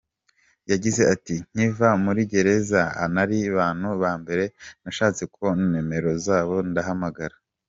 Yagize ati “ nkiva muri gereza ari mu bantu bambere nashatse nomero zabo ndabahamagara.